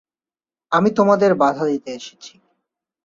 আমি তোমাদের বাধা দিতে এসেছি।